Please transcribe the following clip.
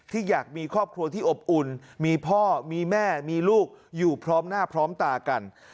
อยากมีครอบครัวที่อบอุ่นมีพ่อมีแม่มีลูกอยู่พร้อมหน้าพร้อมตากัน